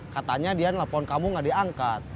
katanya dia nelfon kamu gak diangkat